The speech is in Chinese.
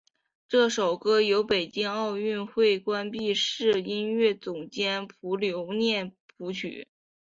这首歌由北京奥运会闭幕式音乐总监卞留念谱曲。